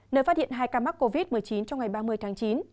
nơi phát hiện hai ca mắc covid một mươi chín trong ngày ba mươi tháng chín